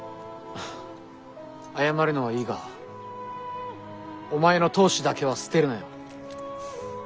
謝るのはいいがお前の闘志だけは捨てるなよ。